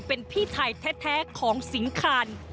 เป็นพี่ไทยแท้ของสิงคาร